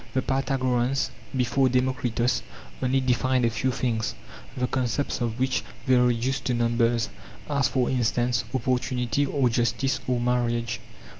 The Pythagoreans (before Demo kritos) only defined a few things, the concepts of which they reduced to numbers, as for instance opportunity or justice or marriage.